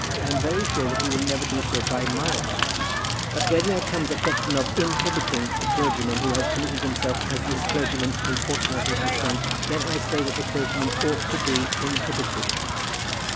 I am very sure that he will never do so by my advice. But when there comes a question of inhibiting a clergyman who has committed himself as this clergyman unfortunately has done, then I say that that clergyman ought to be inhibited."